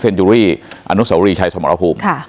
เซนจุรี่อสชสมภ